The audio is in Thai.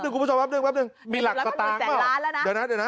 ครูผู้ชมปั๊บหนึ่งปั๊บหนึ่งมีหลักกระตางหรือเปล่าเดี๋ยวนะเดี๋ยวนะ